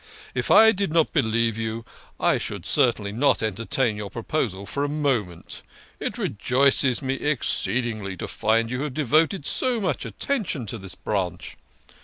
" If I did not believe you, I should not entertain your pro posal fpr a moment. It rejoices me exceedingly to find you 72 THE KING OF SCHNORRERS. have devoted so much attention to this branch.